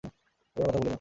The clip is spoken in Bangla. পুরানো কথা ভুলে যাও।